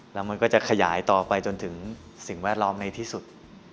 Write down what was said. แล้วมันก็จะขยายต่อไปจนถึงสิ่งแวดล้อมในที่สุด